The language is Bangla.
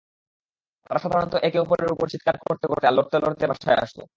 তারা সাধারণত একে অপরের উপর চিৎকার করতে করতে, আর লড়তে লড়তে বাসায় আসতো।